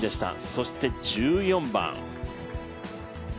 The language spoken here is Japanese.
そして１４番。